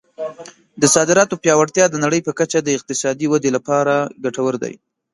د صادراتو پیاوړتیا د نړۍ په کچه د اقتصادي ودې لپاره ګټور دی.